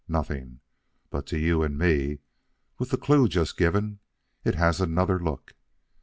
Nothing. But to you and me, with the cue just given, it has another look.